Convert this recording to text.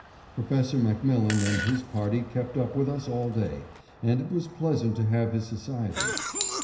Professor MacMillan and his party kept up with us all day, and it was pleasant to have his society.